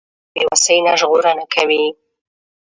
د ماشوم سره مینه د هغه روغتیا ده۔